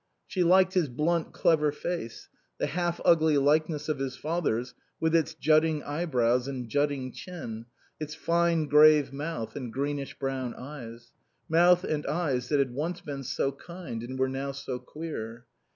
She liked his blunt, clever face, the half ugly likeness of his father's with its jutting eyebrows and jutting chin, its fine grave mouth and greenish brown eyes; mouth and eyes that had once been so kind and were now so queer.